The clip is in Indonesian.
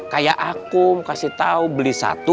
kayak aku kasih tahu beli satu